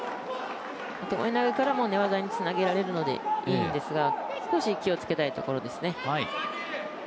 ともえ投げからも寝技につなげられるので、いいんですが、少し気をつけたいところですね。